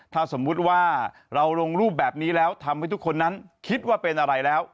ถ้าสมมุติว่าเราลงรูปแบบนี้แล้วทำให้ทุกคนนั้นคิดว่าเป็นอะไรแล้ว